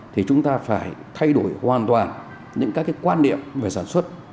thì chúng ta phải thay đổi hoàn toàn những các quan điểm về sản xuất